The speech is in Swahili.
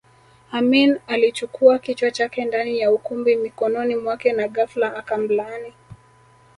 Amin alichukua kichwa chake ndani ya ukumbi mikononi mwake na ghafla akamlaani